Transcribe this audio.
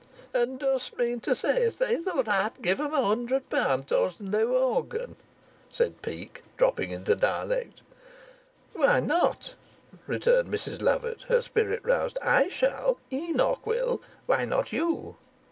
"And dost mean to say as they thought as I 'ud give 'em a hundred pound towards th' new organ?" said Peake, dropping into dialect. "Why not?" returned Mrs Lovatt, her spirit roused. "I shall. Enoch will. Why not you?"